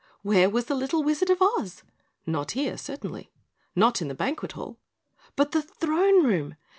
Where was the Little Wizard of Oz? Not here certainly. Not in the Banquet Hall. But the THRONE ROOM!